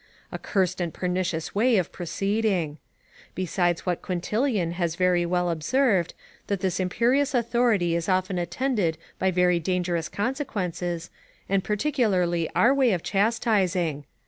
A cursed and pernicious way of proceeding! Besides what Quintilian has very well observed, that this imperious authority is often attended by very dangerous consequences, and particularly our way of chastising.